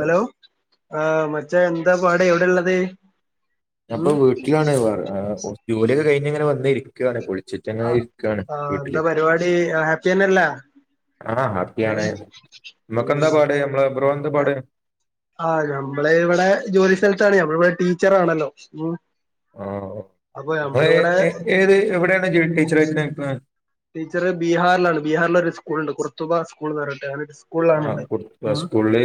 Hello ആ മച്ചാ എന്താ പാട് എവ്ടേള്ളത്? ഞാൻ ഇപ്പോ വീട്ടിലാണ് പറ കോസ്റ്റ്യു ജോലിയൊക്കെ കഴിഞ്ഞ് ഇങ്ങനെ വന്നിരി ക്കയാണ് കുളിച്ചിട്ടങ്ങനെ ആഹ് ഇരിക്കയാണ് ആഹ് വീട്ടില്. എന്താ പരിപാടി ഹാപ്പി തന്നെയല്ലേ ആഹ് ഹാപ്പിയാണ്. ഏഹ് ഇമ്മക്കെന്താ ഉം പാട് മ്മളെ ബ്രോ എന്താ പാട്? ആഹ് ഞമ്മള് ഇവിടെ ജോലി സ്ഥലത്താണ് ഞമ്മള് ഇവടെ ടീച്ചറാണല്ലോ ഉം. ആഹ് അപ്പൊ നിങ്ങളെ നമ്മളിവിടെ ഏഏത് എവിടെയാണ് ജോലി ടീച്ചറായിട്ട് നിൽക്കണേ? ടീച്ചർ ബീഹാറിലാണ് ബീഹാറില് ഒരു സ്കൂളുണ്ട് കുറുത്തൂബ സ്കൂൾന്ന് പറഞ്ഞിട്ട് അങ്ങനൊരു ആഹ് കൂർത്തൂബ സ്കൂളില്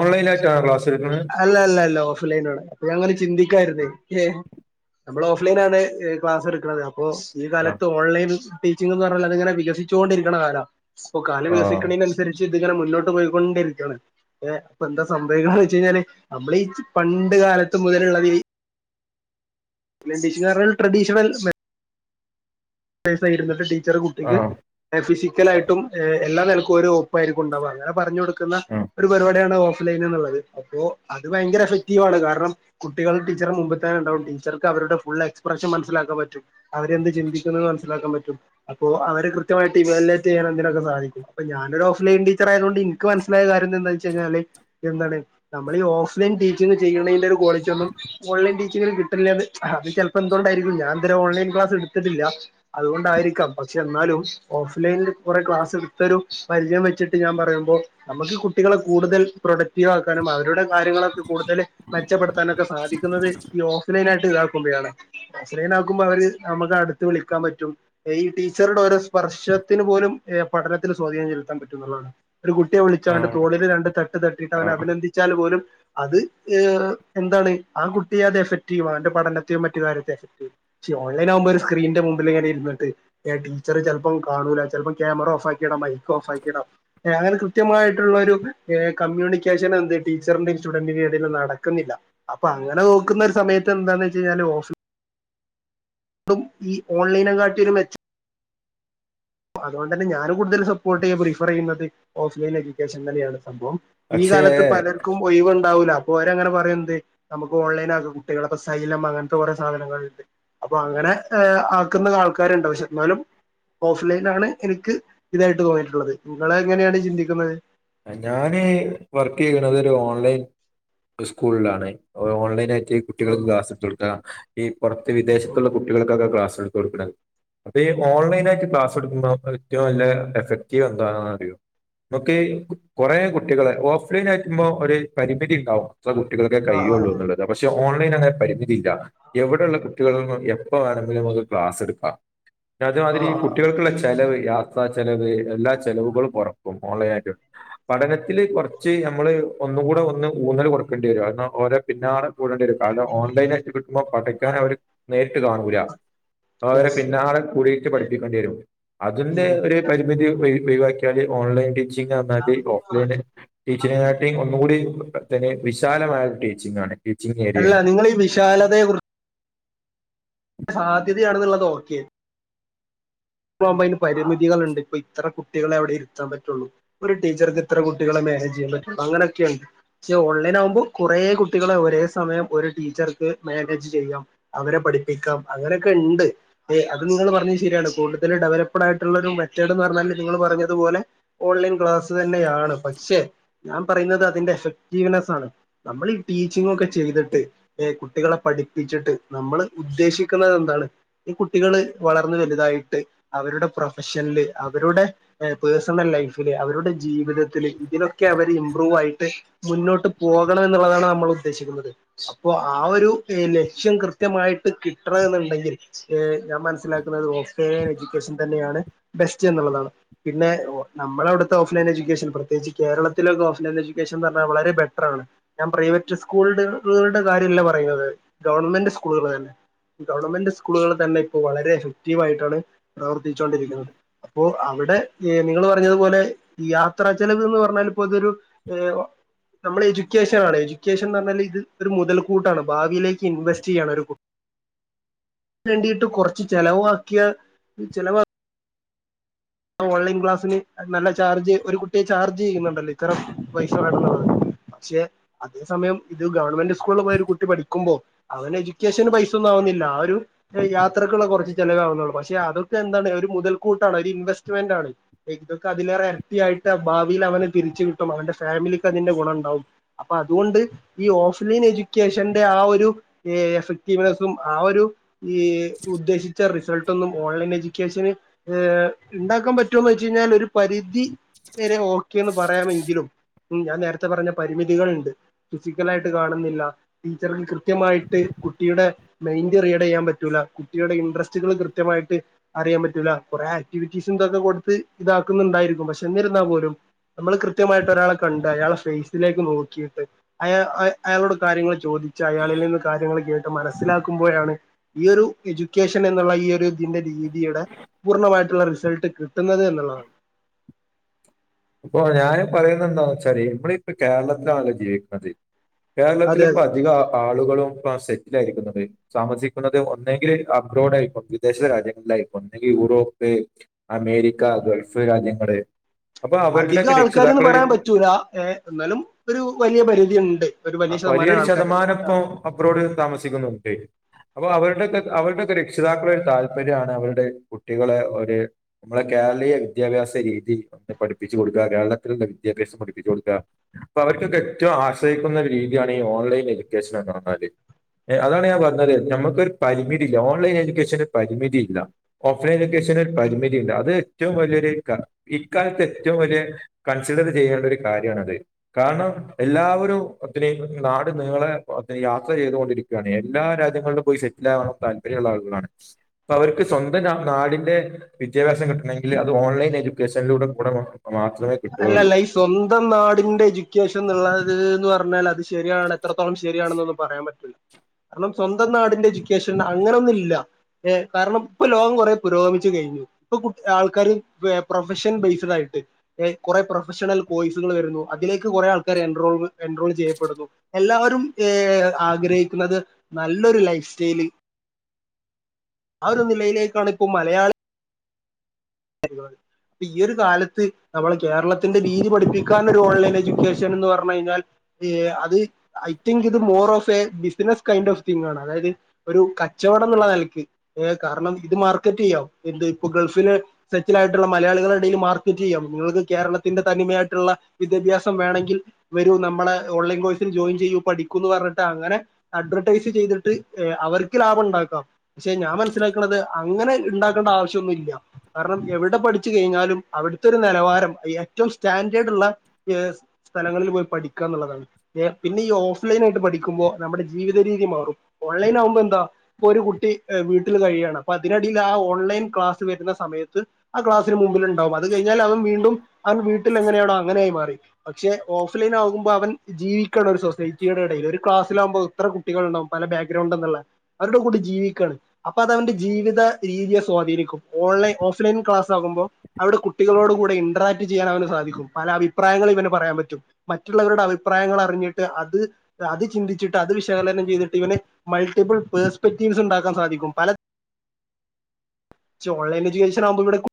ഓൺലൈൻ ആയിട്ടാണോ ക്ലാസ് എടുക്കന്നെ അല്ല അല്ല അല്ല ഓഫ് ലൈനാണ്. അപ്പൊഴങ്ങനെ ചിന്തിക്കായിരുന്നേ ഏഹ് നമ്മൾ ഓഫ് ലൈനാണ് എ ക്ലാസ്സ് എടുക്ക്ണത്. ബോസ് ഈ ആഹ് കാലത്ത് ഓൺലൈൻ ടീച്ചിങ്ങ്ന്ന് പറഞ്ഞാല് അത് ഇങ്ങനെ വികസിച്ചോണ്ടിരിക്കണ കാലാ. ഇപ്പൊ കാലം ആഹ് വികസിക്കണേന് അനുസരിച്ച് ഇതിങ്ങനെ മുന്നോട്ട് പോയിക്കൊണ്ടിരിക്കാണ് ഏഹ് ഇപ്പൊന്താ സംഭവിക്കണേന്നു വെച്ചു കഴിഞ്ഞാല് നമ്മളീ പണ്ട് കാലത്ത് മുതലുള്ളവര് [unintelligible] ട്രഡീഷണൽ മെ പെയ്സായിരുന്നിട്ട് ടീച്ചറ് കുട്ടിക്ക് ആഹ് ഫിസിക്കലായിട്ടും എല്ലാ നെലക്കും ഒരു ഓപ്പായിരിക്കും ഉണ്ടാവ. അങ്ങനെ പറഞ്ഞു കൊടുക്കുന്ന ഒരു പരിപാടിയാണ് ഓ ഫ് ലൈനുള്ളത്. അപ്പോഅത് ഭയങ്കര എഫക്റ്റീവ് ആണ്. കാരണം കുട്ടികൾ ടീച്ചറെ മുമ്പ് തന്നെ ഉണ്ടാവും ടീച്ചർക്ക് അവരുടെ ഫുൾ എക്സ്പ്രഷൻ മനസിലാക്കാൻ പറ്റും അവരെന്ത് ചിന്തി ഇതിൽ നിന്ന് മനസ്സിലാക്കാൻ പറ്റും അപ്പോ അവരെ കൃത്യമായിട്ട് ഇവലേറ്റ് ചെയ്യാ എന്തിനൊക്കെ സാഹായിക്കും അപ്പോ ഞാനൊരു ഓഫ് ലൈൻ ടീച്ചർ ആയത് കൊണ്ട് ഇൻക്ക് മനസ്സിലായ കാര്യം എന്താണ് വെച്ച് കഴിഞ്ഞാല് എന്താണ് നമ്മള് ഈ ഓഫ്ലൈൻ ടീച്ചിങ് ചെയ്യുന്നതിന്റെ ഒരു ക്വാളിറ്റി ഒന്നും ഓൺലൈൻ ടീച്ചിങ്ങിൽ കി അത് ചെലപ്പോ എന്തൊണ്ടായിരിക്കും ഞാൻ ഇത് വരെ ഓൺലൈൻ ക്ലാസ് എടുത്തിട്ടില്ല അതുകൊണ്ടായിരിക്കാം പക്ഷെ എന്നാലും ഓഫ്ലൈനിൽ കൊറേ ക്ലാസ് എടുത്തെരും പരിചയം വെച്ചിട്ട് ഞാൻ പറയുമ്പോ നമ്മക്ക് കുട്ടികളെ കൂടുതൽ പ്രൊഡക്റ്റീവ് ആക്കാനും അവരുടെ കാര്യങ്ങളൊക്കെ കൂടുതല് മെച്ചപ്പെടുത്താനൊക്കെ സാധിക്കുന്നത് ഈ ഓഫ്ലൈനായിട്ട് ഇതാ കുട്ടികളെ ഓഫ് ലൈനാക്കുമ്പോ അവര് നമുക്ക് അടുത്ത് വിളിക്കാൻ പറ്റും ഈ ടീച്ചറുടെ ഓരോ സ്പർശത്തിന് പോലും പഠനത്തിന് സ്വാധീനം ചെലുത്താൻ പറ്റുന്നതാണ് ഒരു കുട്ടിയെ ആഹ് വിളിച്ചാണ്ട് ആഹ് തോളില് രണ്ട് തട്ട് തട്ടിട്ടാണ്ട് അവനെ ആഹ് അഭിനന്ദിച്ചാൽ പോലും അത് എന്താണ് ആ കുട്ടിയെ അത് എഫക്ട് ചെയ്യും അവന്റെ പഠനത്തെയോ മറ്റു കാര്യത്തെ എഫക്ട് ചെയ്യും ഓൺലൈനാകുമ്പോ ഒരു സ്ക്രീന്റെ മുമ്പിൽ ഇങ്ങനെ ഇരുന്നിട്ട് ഏ ടീച്ചറ് ചെല്പ്പം കാണൂല ചെല്പ്പം ക്യാമറ ഓഫാക്കിടാ മൈക്ക് ഓഫാക്കിടാ ഏ അങ്ങനെ കൃത്യമായിട്ടുള്ളൊരു കമ്മ്യൂണിക്കേഷൻ എന്ത് ടീച്ചറിന്റെ സ്റ്റുഡന്റിന്റെയും ഇടേല് നടക്കുന്നില്ല അപ്പൊ അങ്ങനെ നോക്കുന്നൊരു സമയത്ത് എന്താന്ന് വെച്ച് കഴിഞ്ഞാല് ഓഫീസ് ഈ ഓൺലൈനെ കാട്ടിം ഒരു മെച്ച അതുകൊണ്ട് തന്നെ ഞാനും കൂടുതൽ സപ്പോർട്ട് ചെയ്യാ പ്രിഫർ ചെയ്യുന്നത് ഓഫ്ലൈൻ എഡ്യൂക്കേഷൻ തന്നെയാണ് സംഭവം ഈ പക്ഷേ കാലത്ത് പലർക്കും ഒഴവുണ്ടാവില്ല. അപ്പൊ അവരങ്ങനെ പറയും എന്ത് നമുക്ക് ഓൺലൈനാക്കാം കുട്ടികളൊക്കെ ശൈലം അങ്ങനത്തെ കൊറേ സാധനങ്ങള്ണ്ട് അപ്പൊ അങ്ങനെ ആക്കുന്ന ആൾക്കാര്ണ്ട് പക്ഷെ എന്നാലും ഓൺലൈനാണ് എനിക്ക് ഇതായിട്ട് തോന്നിയിട്ടുള്ളത് നിങ്ങള് എങ്ങനെയാണ് ചിന്തിക്കുന്നത് ഞാന് വർക്ക് ചെയ്യ്ണത് ഒരു ഓൺലൈൻ സ്കൂളിലാണ് ഓൺലൈനായിട്ട് ഓ കുട്ടികൾക്ക് ക്ലാസ്സെടുത്തു കൊടുക്ക ഈ പൊറത്ത് ഓ ഓ. വിദേശത്തുള്ള കുട്ടികൾക്കൊക്കെ ക്ലാസ് എടുത്ത് കൊടുക്കണത് അപ്പ ഈ ഓൺലൈനായിട്ട് ക്ലാസ് എടുക്കുമ്പോ ഏറ്റവും നല്ല എഫക്റ്റീവ് എന്താണ് അറിയോ ഓക്കെ കൊറേ കുട്ടികളെ ഓഫ്ലൈൻ ആയിരിക്കുമ്പോ ഒരു പരിമിതി ഉണ്ടാവും ഇത്ര കുട്ടികളൊക്കെ ആ ആ കഴിയുള്ളൂ എന്നുള്ള പക്ഷെ ഓൺലൈൻ അങ്ങനെ പരിമിതില്ല എവിടെയുള്ള കുട്ടികളും എപ്പം വേണമെങ്കിലും അത് ക്ലാസ് എടുക്കാം ആ ആ ആ അതേമാതിരി കുട്ടികൾക്കുള്ള ചെലവ് യാ യാത്ര ചെലവ് എല്ലാ ചെലവുകളും കുറക്കും ഓൺലൈനായിട്ട് പഠനത്തില് കുറച്ച് നമ്മള് ഒന്നുകൂടെ ഒന്ന് ഊന്നൽ കൊടുക്കേണ്ടി വരും കാരണം ഓരേ പിന്നാലെ കൂടേണ്ടിവരും കാരണം ഓൺലൈനായിട്ട് കിട്ടുമ്പോ ആ പഠിക്കാൻ അവര് നേരിട്ട് കാണൂല്ല അവരെ യെസ് പിന്നാലെ കൂടിയിട്ട് പഠിപ്പിക്കേണ്ടി വരും അതിന്റെ ഉം ഒരു പരിമിതി ഒഴിവാക്കി [unintelligible] ഓൺലൈൻ ടീച്ചിങ് എന്നാല് ഓഫ്ലൈന് ടീച്ചിങ്ങ്നാട്ടിം ഒന്നും കൂടി തന്നെ വിശാലമായ ടീച്ചിങ്ങാണ് അല്ല നിങ്ങള് ഈ വിശാലതയെ കുറ് സാധ്യതയാണുള്ളത് ഓക്കേ ഓഫ്ലൈനാകുമ്പോ അതിന് പരിമിതികളുണ്ട് ഇപ്പ ഇത്ര കുട്ടികളെ അവിടെ ഇരുത്താൻ പറ്റുള്ളു ഒരു ടീച്ചർക്ക് ഇത്ര കുട്ടികളെ മാനേജ് ചെയ്യാൻ പറ്റുള്ളൂ അങ്ങനെയൊക്കെയുണ്ട് പക്ഷെ ഓൺലൈനാകുമ്പോ കൊറേ കുട്ടികളെ ഒരേ സമയം ഒരു ടീച്ചർക്ക് മാനേജ് ചെയ്യാം അവരെ പഠിപ്പിക്കാം അങ്ങനൊക്കെണ്ട് ഏയ് അത് നിങ്ങൾ പറഞ്ഞത് ശരിയാണ് കൂടുത ല് ഡെവലപ്ഡ് ആയിട്ടുള്ള ഒരു മെത്തേഡ് എന്ന് പറഞ്ഞാല് നിങ്ങൾ പറഞ്ഞതുപോലെ ഓൺലൈൻ ക്ലാസ് തന്നെയാണ് പക്ഷെ ഞാൻ പറയുന്നത് അതിന്റെ എഫക്റ്റീവ്നെസ്സ് ആണ് നമ്മള് ഈ ടീച്ചിങ്ങൊക്കെ ചെയ്തിട്ട് ഏ കുട്ടികളെ പഠിപ്പിച്ചിട്ട് നമ്മള് ഉദ്ദേശിക്ക്ന്നത് എന്താണ് ഈ കുട്ടികള് വളർന്ന് വലുതായിട്ട് അവരുടെ പ്രൊഫഷന്ല് അവരുടെ ഏ പേസണൽ ലൈഫില് അവരുടെ ജീവിതത്തില് ഇതിലൊക്കെ അവര് ഇമ്പ്രൂവായിട്ട് മുന്നോട്ട് പോകണം എന്നുള്ളതാണ് നമ്മള് ഉദ്ദേശിക്കുന്നത് അപ്പൊ ആ ഒരു ലക്ഷ്യം കൃത്യമായിട്ട് കിട്ട്റ്ന്ന്ണ്ടെങ്കിൽ ഏ ഞാൻ മനസ്സിലാക്കുന്നത് ഓഫ്ലൈൻ എഡ്യൂക്കേഷൻ തന്നെയാണ് ബെസ്റ്റ് എന്നുള്ളതാണ് പിന്നെ ഒ നമ്മളവുട്ത്തെ ഓഫ്ലൈൻ എഡ്യുക്കേഷൻ പ്രത്യേകിച്ച് കേരളത്തിലൊക്കെ ഓഫ്ലൈൻ എഡ്യൂക്കേഷൻന്ന് പറഞ്ഞാ വളരെ ബെട്ട്രാണ്. ഞാൻ പ്രൈവറ്റ് സ്‌കൂൾട്കളുടെ കാര്യല്ല പറയുന്നത് ഗവൺമെന്റ് സ്കൂൾകളന്നെ ഗവണ്മെന്റ് സ്കൂളുകൾ തന്നെ ഇപ്പോ വളരെ എഫക്റ്റീവായിട്ടാണ് പ്രവർത്തിച്ചോണ്ടിരിക്കുന്നത്. അപ്പോ അവ്ടെഏ നിങ്ങള് പറഞ്ഞതുപോലെ യാത്രചെലവ്ന്ന് പറഞ്ഞാൽ ഇപ്പോതൊരു ഏഹ് ഒ നമ്മള് എഡ്യൂക്കേഷനാണ് എഡ്യൂക്കേഷൻന്നർഞാല് ഇത് ഒരു മുതൽ കൂട്ടാണ് ഭാവിയിലേക്ക് ഇൻവെസ്റ്റ് ചെയ്യാണ് ഒരു കു തെണ്ടിയിട്ട് കൊറച്ച് ചെലവാക്കിയ ചിലവാ ഓൺലൈൻ ക്ലാസ്സിന് നല്ല ചാർജ് ഒരു കുട്ടിയെ ചാർജ് ചെയ്യുന്നുണ്ടല്ലോ ഇത്ര പൈസ വേണന്ന്ള്ളത് പക്ഷെ അതേ സമയം ഇത് ഗവൺമെന്റ് സ്കൂൾൽ ഒരുകുട്ടി പഠിക്കുമ്പോ അവന് എഡ്യൂക്കേഷന് പൈസൊന്നും ആവുന്നില്ല ആ ഒരു യാത്രക്കുള്ള കുറച്ച് ചെലവേആവുന്നൊള്ളു പക്ഷെ അതൊക്കെ എന്താണ് ഒരു മുതൽക്കൂട്ടാണ് ഒരു ഇൻവെസ്റ്റ്മെന്റ് ആണ്. എയ് ഇതൊക്കെ അതിലേറെ ഇരട്ടിയായിട്ട് ഭാവിയിൽ അവൻതിര്ച്ച് കിട്ടും അവന്റെ ഫാമിലിക്ക് അതിന്റെ ഗുണം ഇണ്ടാവും. അപ്പൊ അതുകൊണ്ട് ഈ ഓഫ്ലൈൻ എഡ്യൂക്കേഷന്റെ ആ ഒരു ഏ എഫക്റ്റീവേസും ആ ഒരു ഈ ഉദ്ദേശിച്ച റിസൾട്ടൊന്നും ഓൺലൈൻ എഡ്യൂക്കേഷന് ഏ ഇണ്ടാക്കാൻ പറ്റൊന്നോഴ്ചഴിഞ്ഞാൽ ഒരു പരിധി വരെ ഓക്കെന്ന് പറയാമെങ്കിലും. ഉം ഞാൻ നേരത്തെ പറഞ്ഞ പരിമിതികൾണ്ട്ഫിസിക്കലായിട്ട് കാണുന്നില്ല. ടീച്ചർന് കൃത്യമായിട്ട് കുട്ടിയുടെ മൈൻഡ് റിയേഡ് ചെയ്യാൻ പറ്റൂല കുട്ടിയുടെ ഇൻട്രസ്റ്റുകൾ കൃത്യമായിട്ട് അറിയാൻ പറ്റൂല്ല കുറേ ആ ക്ടിവിറ്റീസും ഇതൊക്കെ കൊടുത്ത് ഇതാക്കുന്നുണ്ടായിരിക്കും പക്ഷെ എന്നിരുന്നാൽ പോലും നമ്മൾ കൃത്യമായിട്ട് ഒരാളെ കണ്ട് അയാളെ ഫെയ്സിലേക്ക് നോക്കിയിട്ട് അയാ അഹ് അയാളോട് കാര്യങ്ങൾ ചോദിച്ച് അയാളിൽ നിന്ന് കാര്യങ്ങൾ കേട്ട് മനസ്സിലാക്കുമ്പോഴാണ് ഈ ഒരു എഡ്യൂക്കേഷൻ എന്നുള്ള ഈ ഒരു ഇതിന്റെ രീതിയുടെ പൂർണ്ണമായിട്ടുള്ള റിസൾട്ട് കിട് ട്ടുന്നത് എന്നുള്ളതാ ഇപ്പൊ ഞാന് പറയുന്നതെന്താന്ന് വെച്ചാല് നമ്മളിപ്പോ കേരളത്തിലാണല്ലോ ജീവിക്കണത്. കേരളത്തില് അതെ ഇപ്പ അതെ അധിക ആ ആളുകളും ആ സെറ്റായിരിക്കുന്നത്. താമസിക്കുന്നത് ഒന്നേങ്കില് അബ്റോഡ് ആയിപ്പം വിദേശ രാജ്യങ്ങളിലായിപ്പോ ഒന്നെങ്കി യൂറോപ്പ്, അമേരിക്ക ഗൾഫ് രാജ്യങ്ങള്. അപ്പൊ അവരുടെയൊക്കെ അധികാൾക്കാര്ന്ന് രക്ഷിതാക്കളൊരു പറയാൻ പറ്റൂല ഏ എന്നാലും. ഒരു വലിയ പരിധിയുണ്ട് ഒരു വലിയ ശതമാനം ആൾക്കാരുണ്ട് താ അബ്റോഡ് താമസിക്കുന്നോർക്ക്. അപ്പൊ അവരുടെക്കെ അവരുടെക്കെ രക്ഷിതാക്കള ഒരു താല്പര്യമാണ് അവരുടെ കുട്ടികളെ ഒര് നമ്മളെ കേരളീയ വിദ്യാഭ്യാസ രീതി ഒ പഠിപ്പിച്ചച്ച് കൊടുക്കുക കേരളത്തിലുള്ള വിദ്യാഭ്യാസം പഠിപ്പിച്ചു കൊടുക്കുക. അപ്പൊ അവർക്കൊക്കെ ഏറ്റം ആശ്രയിക്കുന്ന രീതിയാണ് ഈ ഓൺലൈൻ എഡ്യൂക്കേഷൻ എന്ന് പറഞ്ഞാല്. എ അതാണ് ഞാൻ പറഞ്ഞത് നമ്മുക്കൊരു പരിമിതി ഇല്ല ഓൺലൈൻ എഡ്യൂക്കേഷന് പരിമിതി ഇല്ല. ഓഫ്ലൈൻ എഡ്യേഷൻ ഒരു പരിമിതിണ്ട് അത്ഏറ്റവും വലിയൊരു ക കി ഇക്കാലത്ത് ഏറ്റവും വലിയ കൺസിഡറി ചെയ്യേണ്ട ഒരു കാര്യാണത്. കാരണം എല്ലാവരും ഒത്തിരി നാട്നീളെ ഒത്തിരി യാത്ര ചെയ്തുകൊണ്ടിരിക്കും. ക്കാണ് എല്ലാ രാജ്യങ്ങളിലും പോയി സെറ്റ്ലാവാള്ള താല്പര്യള്ള ആളുകളാണ് അപ്പവര്ക്ക് സ്വന്തം ആ നാടിന്റെ വിദ്യാഭ്യാസം കിട്ടണെങ്കിൽ അത് ഓൺലൈൻ എഡ്യൂക്കേഷനിലൂടെ കൂടെ വാ അല്ലല്ല ഈ സ്വന്തം നാടിന്റെ എജുക്കേഷൻന്നുള്ളത്ന്ന് ർഞ്ഞാലത് ശെരിയാണ് എത്രത്തോളം ശെരിയാണെന്നൊന്നും പറയാൻ പറ്റൂല ര്ണം സ്വന്തം നാടിന്റെ എജുക്കേഷൻ അങ്ങനൊന്നില്ല ഏ കാരണംപ്പം ലോകം കൊറെ പുരോഗമിച്ച് കയ്ഞ്ഞു ഇപ്പൊ കു ആൾക്കാര് എ പ്രൊഫഷൻ ബെയ്സ്ഡായിട്ട് എ കൊറെ പ്രൊഫഷണൽ കോഴ്സുകൾ വെര്ന്നു അതിലേക്ക് കൊറെ ആൾക്കാര് എൻറോവ് എൻറോൾ ചെയ്യപ്പെടുന്നു എല്ലാവരും ഏ ആഗ്രഹിക്കുന്നത് നല്ലൊരു ലൈഫ് സ്റ്റൈല് ആ ഒരു നിലയിലേക്കാണ് പ്പോ മലയാളി അരിവാൾ പ്പൊ ഈ ഒരു കാലത്ത് നമ്മളെ കേരളത്തിന്റെ രീതി പഠിപ്പിക്കാൻ ഒരു ഓൺലൈൻ എജുക്കേഷൻന്ന് പർഞ്ഞു കയ്ഞ്ഞാൽ ഏ അത് ഐ തിങ്ക് ഇത് more of a business kind of thing ആണ് അതായത് ഒരു കച്ചവടം ന്ന്ള്ള നെൽക്ക് ഏ കാരണം ഇത് മാർക്കറ്റെയ്യാം എന്ത് പ്പൊ ഗൾഫില് സെറ്റിലായിട്ടുള്ള മലയാളികളെടേല് മാർക്കറ്റെയ്യാം ങ്ങൾത് കേരളത്തിന്റെ തനിമയായിട്ടുള്ള വിദ്യാഭ്യാസം വേണെങ്കിൽ വെരൂ നമ്മളെ ഓൺലൈൻ കോഴ്സിൽ ജോയിൻ ചെയ്യൂ പഠിക്കൂന്ന് പർഞ്ഞിട്ടങ്ങനെ അഡ്വർടൈസ് ചെയ്തിട്ട് എ അവർക്ക്ലാഭണ്ടാക്കാം പക്ഷെ ഞാൻ മൻസ്സിലാക്ക്‌ണത് അങ്ങനെ ണ്ടാക്കണ്ട ആവശ്യോന്നുല്ല കാരണം എവടെ പഠിച്ച് കഴിഞ്ഞാലും അവിട്ത്തൊരു നെലവാരം ഏറ്റവും സ്റ്റാൻഡേഡുള്ള എസ് സ്ഥലങ്ങളില് പോയി പഠിക്കാന്ന്ളളതാണ് എ പിന്നെ ഇ ഓഫ് ലൈനായിട്ട് പഠിക്കുമ്പോ നമ്മുടെ ജീവിത രീതി മാറും ഓൺലൈനാകുമ്പെന്താ പ്പൊരു കുട്ടി എ വീട്ടിൽ കയ്യാണ് അപ്പൊതിനെടേല് ആ ഓൺലൈൻ ക്ലാസ് വെര്ന്ന സമയത്ത് ത് ആ ക്ലാസ്സിന് മുമ്പില്ണ്ടാവും അത് കയ്ഞ്ഞാലവൻ വീണ്ടും അവൻ വീട്ടിലെങ്ങനെണോ അങ്ങനെയായി മാറി പക്ഷെ ഓഫ്‌ലൈനാകുമ്പോ അവൻ- - ജീവിക്കണം ഒരു സൊസൈറ്റിടെടേല് ഒരു ക്ലാസ്സിലാകുമ്പോ എത്ര കുട്ടികള്ണ്ടാവും പല ബാഗ്രൗണ്ട്ന്ന്ള്ളെ അവര്ടെ കൂടെ ജീവിക്കാണ് അപ്പതവന്റെ ജീവിത രീതിയെ സ്വാധീനിക്കും ഓൺലൈൻ ഓഫ് ഫ്‌ലൈൻക്ലാസ്സാകുമ്പൊ അവടെ കുട്ടികളോടുകൂടെ ഇഡ്രാറ്റ്ചെയ്യാനവന് സാധിക്കും പല അഭിപ്രായങ്ങളിവന് പറയാൻ പറ്റും മറ്റുള്ളവരുടെ അഭിപ്രായങ്ങള റിഞ്ഞിട്ട് അത് അത് ചിന്തിച്ചിട്ട് അത് വിശകലനം ചെയ്തിട്ടിവന് മൾട്ടിപ്പിൾ പേസ്പെക്റ്റീവ്സ് ണ്ടാക്കാൻ സാധിക്കും പല ച്ച ഓൺലൈൻ ജി എസ് ച്ചറാവുമ്പൊ വടെ കു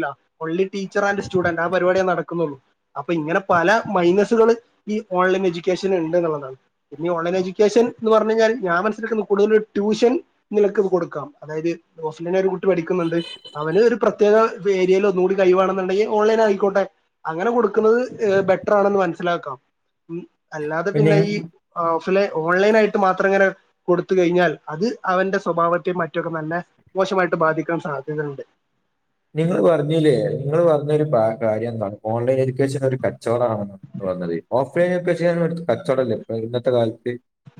ല്ല ഒൺലി ടീച്ചറാൻഡ് സ്റ്റുഡന്റ് ആ പരിപാടിയെ നടക്ക്‌ന്നുള്ളൂ [unintelligible] അപ്പൊ ഇങ്ങനെ പല മൈനസുകള് ഇ ഓൺലൈൻ എജുക്കേഷന് ഇണ്ട്ന്ന്ള്ളതാണ് ഇ ഓൺലെൻ എജുക്കേഷൻ ന്ന് പർഞ്ഞയ്ഞ്ഞാൽ ഞാൻ മൻസ്സിലാക്കുന്നത് കൂടുതൽ ട്യൂഷൻ നിനക്കിത്കൊടുക്കാം അതായത് [unintelligible] ഒരു കുട്ടി പഠിക്ക്‌ന്നുണ്ട് അവന് ഒരു പ്രത്യേകാ വേരിയയിൽ ഒന്നുകൂടി കയിവാണെന്ന്ണ്ടെങ്കിൽ ഓൺലൈനായിക്കോട്ടെ അങ്ങനെ കൊടുക്കുന്നത് എ ബെറ്ററാണെന്ന് മൻസ്സിലാക്കാം അല്ലാതെ പിന്നെ ഈ ഓഫ് ലൈൻ ഓൺലൈനായിട്ട് മാത്രങ്ങനെ കൊടുത്ത് കയ്ഞ്ഞാൽ അത് അവന്റെ സ്വഭാവത്തെ മറ്റൊരു നല്ല മോശമായിട്ട് ബാധിക്കാൻ സാധ്യത ണ്ട് നിങ്ങള് പറഞ്ഞിലേ ഇങ്ങൾ പർഞ്ഞൊരു ബ കാര്യന്താണ് ഓൺലൈനെജുക്കേഷൻ ഒരു കച്ചോ ച്ചോടാണ് ന്ന് പർഞ്ഞത് ഓഫ്ലൈനെജുക്കേഷൻ കച്ചോടല്ലേ ഇപ്പ ഇന്നത്തെ കാലത്ത്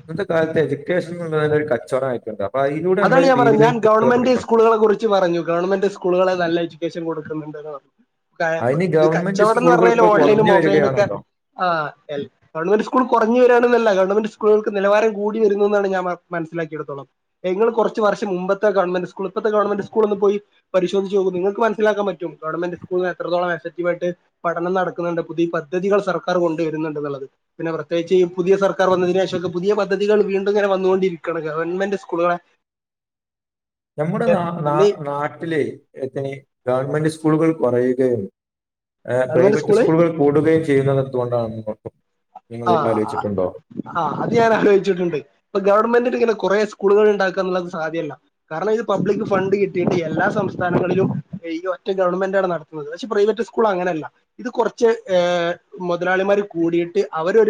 ന്നത്തെ കാലത്ത് എജുക്കേഷൻന്ന്ള്ളതെന്നൊരു കച്ചോടായിട്ട്ണ്ടാവും അതാണ് ഞാൻ പറഞ്ഞത് ഞാൻ ഗവൺമെന്റ് സ്കൂളുകളെ കുറി ച്ചു പറഞ്ഞു ഗവൺമെന്റ് സ്കൂള്കളാ നല്ല എജുക്കേഷൻ കൊടുക്കുന്നുണ്ട്ന്ന് പറഞ്ഞു അതിന് ഇത് ഗവൺമെന്റ് കച്ചോടം ന്ന് സ്കൂളുകൾ പർഞേല് ഇപ്പോൾ ഓൺലൈനും കുറഞ്ഞു ഓഫ് ലൈനൊക്കെ വരികയാണല്ലോ ആ ഗവൺമെന്റ് സ്കൂൾ കൊർഞ് വെരാണ്ന്നല്ല ഗവൺമെന്റ് സ്കൂളുകൾക്ക്‌ നിലവാരം കൂടി വെരുന്നുന്നാണ് ഞാൻ മ മൻസ്സിലാക്കെടുത്തോളം ഇങ്ങള് കൊറച്ച് വർഷം മുമ്പത്തെ ഗവൺമെന്റ് സ്കൂള് ഇപ്പത്തെ ഗവൺമെന്റ് സ്കൂള ഒന്ന് പോയി പരിശോദിച്ച് നോക്കൂ നിങ്ങക്ക് മനസ്സിലാക്കാം പറ്റും ഗവൺമെന്റ് സ്കൂള് എത്രത്തോംളം അസക്റ്റീവായിട്ട് പഠനം നടക്കുന്നുണ്ട് പുതി പദ്ധതികൾ സർക്കാർ കൊണ്ടുവരുന്നുണ്ട് ന്നുള്ളത്. പിന്നെ പ്രത്യേകിച്ച് ഈ പുതിയ സർക്കാർ വന്നതിന് ശേഷക്കേ പുതിയ പദ്ധതികൾ വീണ്ടും ഇങ്ങെനേ വന്നൊണ്ടിരിക്കാണ് ഗവൺമെന്റ് സ് കുടുണെ നമ്മുടെ ന നാ പിന്നെ നാട്ടില് [unintelligible] ഗവൺമെന്റ് സ്കൂളുകൾ കൊറയുകയും ഏഹ് ഗവൺമെന്റ് പ്രൈവറ്റ് സ്കൂള് സ്കൂളുകൾ കൂടുകയും ചെയ്യുന്നത് എന്തുകൊണ്ടാണെന്ന് [unintelligible] ആഹ്‌ ആലോചിച്ചിട്ടുണ്ടോ അ അ ആഹ് അത് ഞാൻ ആലോചിച്ചിട്ടുണ്ട് ഇപ്പൊ ഗവൺമെന്റിന് ഇങ്ങനെ കൊറെേ സ്കൂളുകൾ ണ്ടാക്കാള്ളത് സാധ്യല്ല. കാരണം ഇത് പബ്ലിക് ഫണ്ട് കിട്ടിയിട്ട് എല്ലാ സംസ്ഥാനങ്ങളിലും ഈ ഒറ്റ ഗവൺമെന്റാണ് നട പഷേ പ്രൈവറ്റ് സ്കൂള് അങ്ങനെല്ല ഇത് കൊറച്ച് ഏ മൊതലാളിമാര് കൂടീട്ട് അവരരു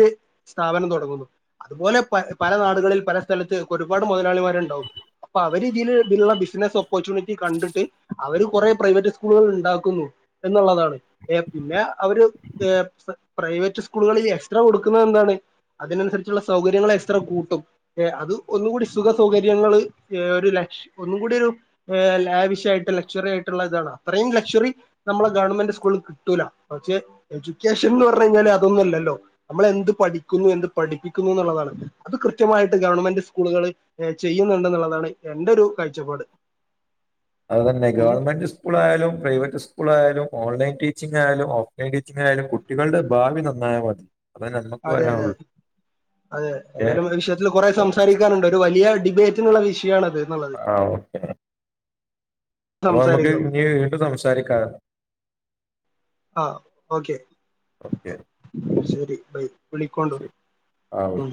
സ്ഥാപനം തൊടങ്ങുന്നു, അതുപോലെ പ പല നാടുകളിൽ പല സ്ഥലത്ത് ഒരുപാട് മൊതലാളിമാരുണ്ടാവും, അപ്പൊ അവര് തില് തില്ള്ള ബിസിനസ് ഓപ്പർച്യൂണിറ്റി കണ്ടിട്ട് അവര് കൊറെ പ്രൈവറ്റ് സ്കൂളുകള് ണ്ടാക്കുന്നു എന്നുള്ളതാണ് ഏ പിന്നെ അവര് ഏ പ്രാ പ്രൈവറ്റ് സ്കൂളുകളില് എക്സ്ട്രാ കൊടുക്കുന്നത് എന്താണ്? അതിനനുസരിച്ചുള്ള സൗകര്യങ്ങള് എക്സ്ട്രാ കൂട്ടും. ഏഹ് അത് ഒന്ന് കൂടി സുഖസൗകര്യങ്ങള് ഏ ഒരു ലക്ഷ ഒന്നും കൂടി ഒരു ഏഹ് ലാവിശ്യായിട്ട് ലക്ഷ്വറിയായിട്ടുള്ള താണ് അത്രയും ലക്ഷ്വറി നമ്മളെ ഗവൺമെന്റ് സ്കൂള് കിട്ടൂലാ, പക്ഷേ എജുക്കേഷൻന്ന് പർഞ്ഞയ്ഞാല് അതൊന്നുല്ലല്ലോ. നമ്മള് എന്ത് പഠിക്കുന്നു എന്ത് പഠിപ്പിക്കുന്നു ന്ന്ള്ളതാണ് അത് കൃത്യമായിട്ട് ഗവൺമെന്റ് സ്കൂളുകള് ഏ ചെയുന്നുണ്ട് ന്ന്ള്ളതാണ് എന്റെ ഒരു കാഴ്ചപ്പാട്. അതന്നെ ഉം ഗവൺമെന്റ് സ് സ്കൂളായാലും പ്രൈവറ്റ് സ്കൂളായാലും ഓൺലൈൻ ടീച്ചിങ് ആയാലും ഓഫ്‌ലൈൻ ടീച്ചിങ് ആയാലും കു ട്ടികൾടെ ഭാവി നന്നായാ മതി. അതേ നമുക്ക് അതെ അതെ പറയാനുള്ളൂ അതെ, ഓക്കെ എതാലും വിഷയത്തില് കൊറെ സംസാരിക്കാന്ണ്ട് ഒരു വലിയ ഡിബേറ്റ് ത്തിന്ള്ള വിഷയാണത്. ആഹ്‌ ഓഹ്. അപ്പൊ നമുക്ക് സംസാരിക്കുക ഇനി വീണ്ടും സംസാരിക്കാ ആഹ്‌ ഓക്കെ ഓക്കെ ശെരി ബൈ. വിളികൊണ്ടു ശരി ആ ഓക്കെ. ഉം.